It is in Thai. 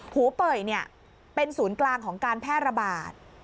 หูเป่ยเป็นศูนย์กลางของการแพร่ระบาด